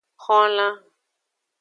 Xolan.